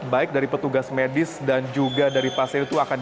baik dari bagaimana